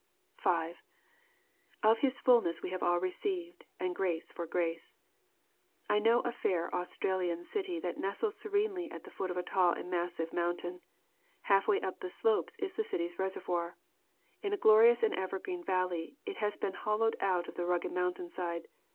_' V 'Of His fullness have all we received, and grace for grace!' I know a fair Australian city that nestles serenely at the foot of a tall and massive mountain. Half way up the slopes is the city's reservoir. In a glorious and evergreen valley it has been hollowed out of the rugged mountain side.